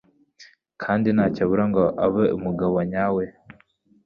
kandi ntacyo abura ngo abe umugabo nyawe